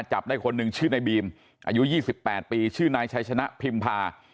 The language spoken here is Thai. จับได้คนหนึ่งชื่อในบีมอายุ๒๘ปีชื่อนายชัยชนะพิมพา